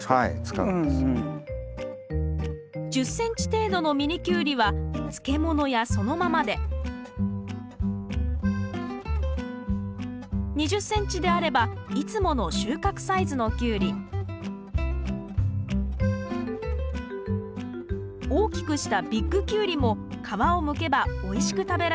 １０ｃｍ程度のミニキュウリは漬物やそのままで２０ｃｍであればいつもの収穫サイズのキュウリ大きくしたビッグキュウリも皮をむけばおいしく食べられるんです。